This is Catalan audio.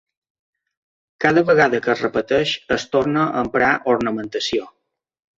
Cada vegada que es repeteix es torna a emprar ornamentació.